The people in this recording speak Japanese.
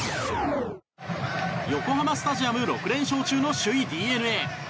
横浜スタジアム６連勝中の首位ＤｅＮＡ。